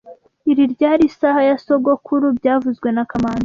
Iri ryari isaha ya sogokuru byavuzwe na kamanzi